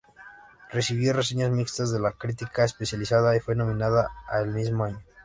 Recibió reseñas mixtas de la crítica especializada y fue nominada al el mismo año.